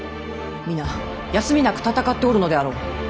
皆休みなく戦っておるのであろう。